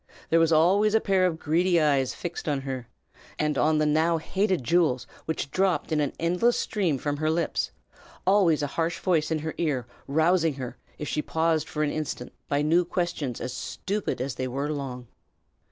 There was always a pair of greedy eyes fixed on her, and on the now hated jewels which dropped in an endless stream from her lips; always a harsh voice in her ears, rousing her, if she paused for an instant, by new questions as stupid as they were long.